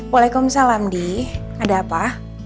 waalaikumsalam di ada apa